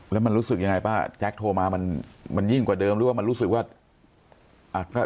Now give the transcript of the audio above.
แล้วมันรู้สึกยังไงป้าแจ๊คโทรมามันยิ่งกว่าเดิมหรือว่ามันรู้สึกว่า